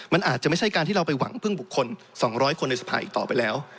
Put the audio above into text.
มันอาจจะไม่ใช่การที่เราไปหวังพึ่งบุคคล๒๐๐คนในสภาอีกต่อไปแล้ว